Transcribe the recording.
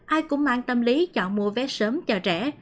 ai cũng mang tâm lý chọn mua vé sớm cho trẻ